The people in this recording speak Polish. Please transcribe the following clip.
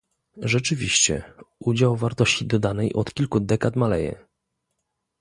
Rzeczywiście, udział wartości dodanej od kilku dekad maleje